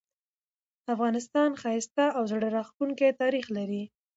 افغانستان ښایسته او زړه راښکونکې تاریخ لري